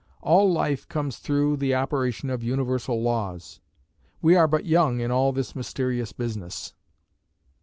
All life comes through the operation of universal laws." We are but young in all this mysterious business.